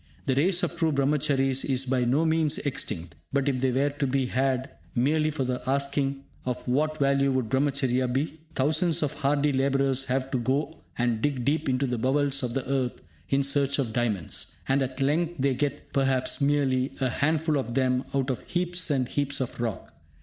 The race of true Brahmacharies is by no means extinct; but, if they were to be had merely for the asking, of what value would Brahmacharya be? Thousands of hardy labourers have to go and dig deep into the bowels of the earth in search of diamonds, and at length they get perhaps merely a handful of them out of heaps and heaps of rock.